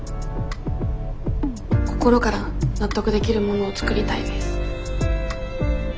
心から納得できるものを作りたいです。